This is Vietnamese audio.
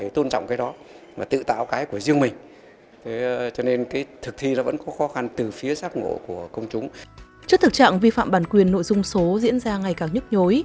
trước thực trạng vi phạm bản quyền nội dung số diễn ra ngày càng nhức nhối